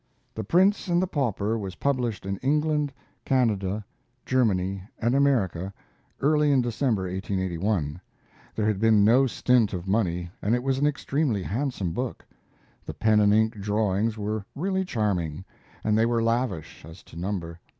'The Prince and the Pauper' was published in England, Canada, Germany, and America early in December, 1881. There had been no stint of money, and it was an extremely handsome book. The pen and ink drawings were really charming, and they were lavish as to number.